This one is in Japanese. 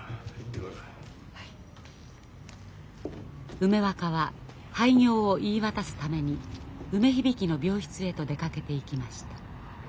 梅若は廃業を言い渡すために梅響の病室へと出かけていきました。